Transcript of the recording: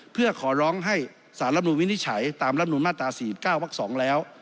เพื่อขอร้องให้สารรับนูลวินิจฉัยตามลำนูลมาตรา๔๙วัก๒แล้ว